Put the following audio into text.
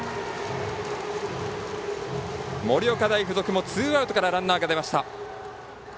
盛岡大付属もツーアウトからランナーが出ました。